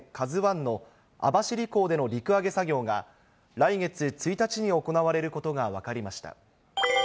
ＫＡＺＵＩの網走港での陸揚げ作業が、来月１日に行われることが分かりました。